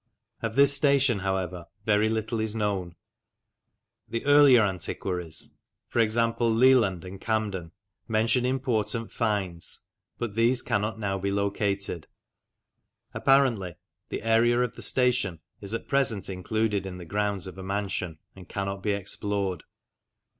Of this station, however, very little is known. The earlier antiquaries, e.g. Leland and Cam den, mention important finds, but these cannot now be located. Apparently the area of the station is at present included in the grounds of a mansion, and cannot be explored.